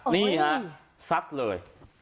นี่ฮะซับเลย